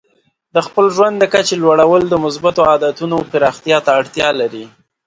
د خپل ژوند د کچې لوړول د مثبتو عادتونو پراختیا ته اړتیا لري.